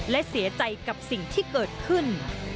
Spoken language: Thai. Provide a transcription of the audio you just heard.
และเสียใจกับสิ่งที่เกิดขึ้น